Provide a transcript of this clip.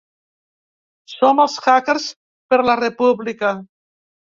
Som els hackers per la república.